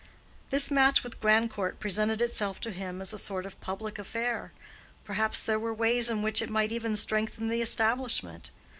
This match with Grandcourt presented itself to him as a sort of public affair; perhaps there were ways in which it might even strengthen the establishment.